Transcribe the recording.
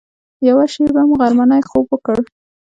یوه شېبه مو غرمنۍ خوب وکړ.